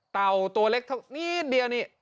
เต่าตัวเล็กเท่านิดเดียวนี่